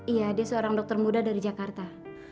iya dia seorang dokter muda dari jakarta